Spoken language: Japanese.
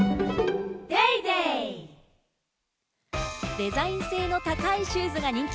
デザイン性の高いシューズが人気！